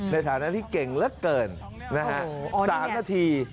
ในฐานะที่เก่งละเกินนะฮะสามนาที